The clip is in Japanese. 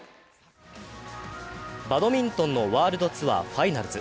バドミントンのワールドツアーファイナルズ。